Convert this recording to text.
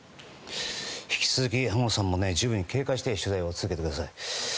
引き続き濱元さんも十分に警戒して取材を続けてください。